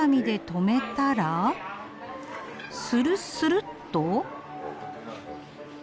スルスルっと。